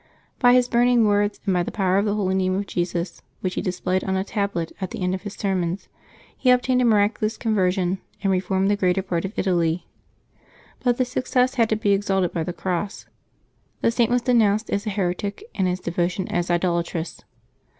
By his burning words and by the power of the Holy Name of Jesus, which he displayed on a tablet at the end of his sermons, he obtained miraculous conversions, and reformed the greater part of Italy. But this success had to be exalted by the cross. The Saint was denounced as a heretic and his de votion as idolatrous.